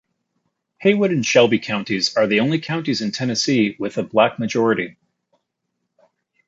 Haywood and Shelby Counties are the only counties in Tennessee with a black majority.